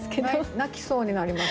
泣きそうになりますね。